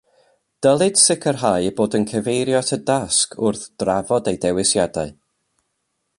Dylid sicrhau eu bod yn cyfeirio at y dasg wrth drafod eu dewisiadau